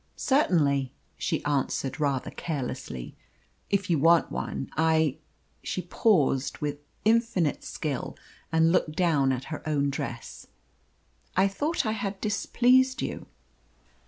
"Certainly," she answered rather carelessly, "if you want one. I " she paused with infinite skill and looked down at her own dress "I thought I had displeased you."